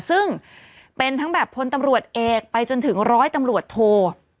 ซึ่งเป็นทั้งแบบพลตำรวจเอกไปจนถึงร้อยตำรวจโท